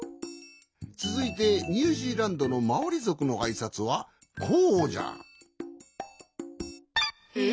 つづいてニュージーランドのマオリぞくのあいさつはこうじゃ。え？